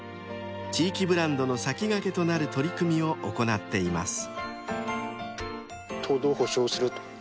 ［地域ブランドの先駆けとなる取り組みを行っています］